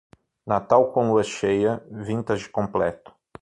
Natal com lua cheia, vintage completo.